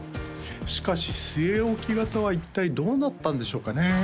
しかし据え置き型は一体どうなったんでしょうかね？